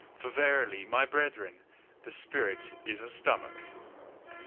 For verily, my brethren, the spirit IS a stomach!